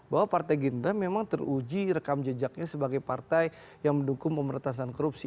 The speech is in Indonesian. bahwa partai gerindra memang teruji rekam jejaknya sebagai partai yang mendukung pemerintahan korupsi